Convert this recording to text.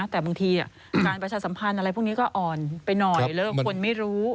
แต่บางทีการประชาสัมพันธ์อะไรพวกนี้ก็อ่อนไปหน่อยแล้วคนไม่รู้